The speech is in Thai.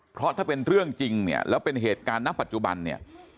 เพราะถ้าเป็นเรื่องจริงเนี่ยแล้วเป็นเหตุการณ์ณปัจจุบันเนี่ย